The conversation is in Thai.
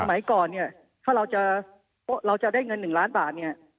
สมัยก่อนเนี่ยถ้าเราจะได้เงิน๑ล้านบาทเนี่ย